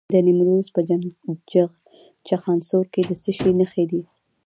د نیمروز په چخانسور کې د څه شي نښې دي؟